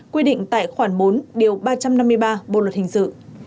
quyết định tại khoảng bốn ba trăm năm mươi ba bộ luật hình sự